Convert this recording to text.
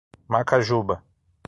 Macajuba